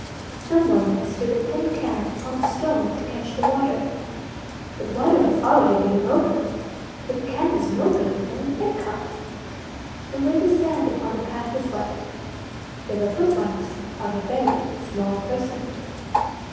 Some one had stood a tin can upon a stone to catch the water but the water was already running over, for the can was no bigger than an egg cup! And where the sand upon the path was wet there were foot marks of a very small person.